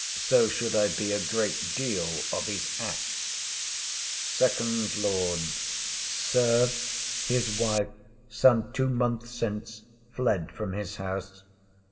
So should I be a great deal of his act. FIRST LORD. Sir, his wife some two months since fled from his house.